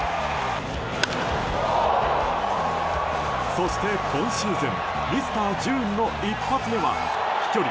そして、今シーズンミスター・ジューンの一発目は飛距離